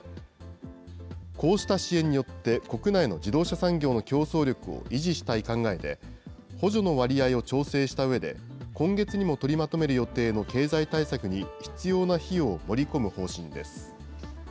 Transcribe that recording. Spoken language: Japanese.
こうした支援によって、国内の自動車産業の競争力を維持したい考えで、補助の割合を調整したうえで、今月にも取りまとめる予定の経済対策に、必要な費用を盛り込む方針です。